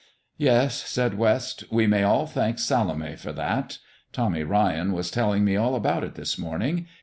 "Yes," said West, "we may all thank Salome for that. Tommy Ryan was telling me all about it this morning.